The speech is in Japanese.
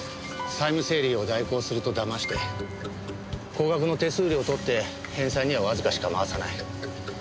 債務整理を代行すると騙して高額の手数料を取って返済にはわずかしか回さない。